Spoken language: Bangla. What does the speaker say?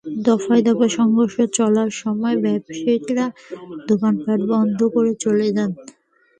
দফায় দফায় সংঘর্ষ চলার সময় ব্যবসায়ীরা দোকানপাট বন্ধ করে চলে যান।